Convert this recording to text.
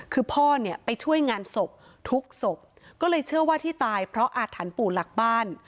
คือพ่อเนี่ยไปช่วยงานศพทุกศพก็เลยเชื่อว่าที่ตายเพราะอาถรรพ์ปู่หลักบ้าน